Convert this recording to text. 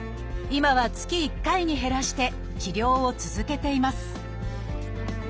今は月１回に減らして治療を続けています